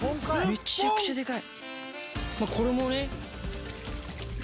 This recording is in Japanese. めちゃくちゃでかい！